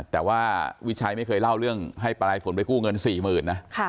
แต่ว่าวิชัยไม่เคยเล่าเรื่องให้ปลายฝนไปกู้เงิน๔๐๐๐นะ